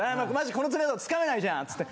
この爪だとつかめないじゃんつって。